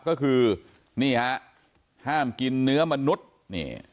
ก็คือนี่ฮะห้ามกินเนื้อมนุษย์นี่